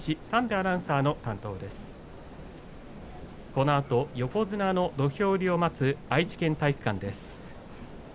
このあと、横綱の土俵入りを待つ愛知県体育館です。